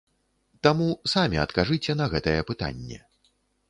Таму самі адкажыце на гэтае пытанне.